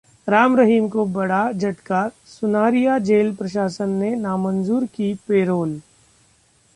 राम रहीम को बड़ा झटका, सुनारिया जेल प्रशासन ने नामंजूर की परोल